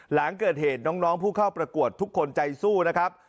หลังเกิดเหตุน้องผู้เข้าประกวดทุกคนใจสู้นะครับ